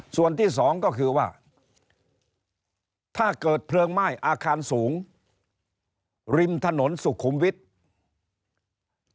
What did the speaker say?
ส่วนที่สองก็คือว่าถ้าเกิดเพลิงไหม้อาคารสูงริมถนนสุขุมวิทย์